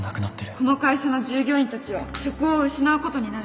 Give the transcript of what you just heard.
この会社の従業員たちは職を失うことになるんだよ